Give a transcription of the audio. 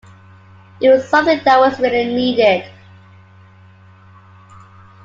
It was something that was really needed.